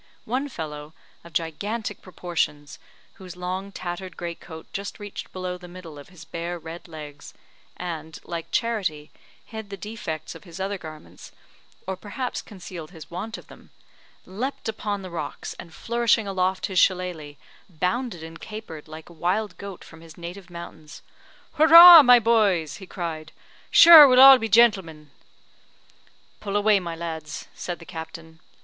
One fellow, of gigantic proportions, whose long, tattered great coat just reached below the middle of his bare red legs, and, like charity, hid the defects of his other garments, or perhaps concealed his want of them, leaped upon the rocks, and flourishing aloft his shilelagh, bounded and capered like a wild goat from his native mountains. "Whurrah! my boys!" he cried, "Shure we'll all be jintlemen!" "Pull away, my lads!" said the captain.